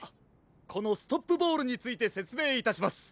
このストップボールについてせつめいいたします。